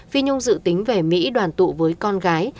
phi nhung dự tính về mỹ đoàn tụ với con gái